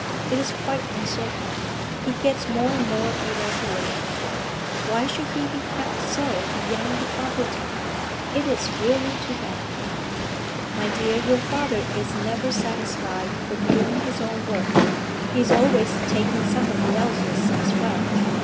'It is quite uncertain. He gets more and more irregular.' 'Why should he be kept so beyond the proper time? It is really too bad.' 'My dear, your father is never satisfied with doing his own work; he's always taking somebody else's as well.